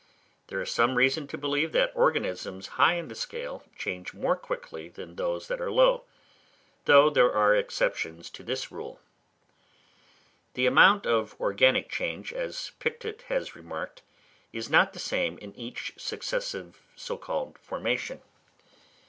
There is some reason to believe that organisms high in the scale, change more quickly than those that are low: though there are exceptions to this rule. The amount of organic change, as Pictet has remarked, is not the same in each successive so called formation.